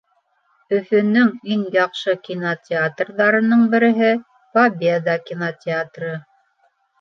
Өфөнөң иң яҡшы кинотеатрҙарының береһе «Победа» кинотеатры.